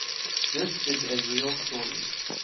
This is a real story.